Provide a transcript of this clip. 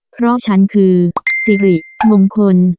เพราะฉันคือสิริมงคล